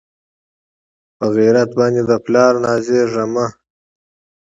پۀ غېرت باندې د پلار نازېږه مۀ